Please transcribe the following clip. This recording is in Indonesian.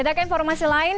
kita ke informasi lain